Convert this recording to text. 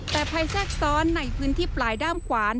แต่ภัยแทรกซ้อนในพื้นที่ปลายด้ามขวาน